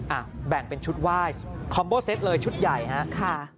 อ่ะแบ่งเป็นชุดไหว้คอมโบเซตเลยชุดใหญ่ฮะค่ะ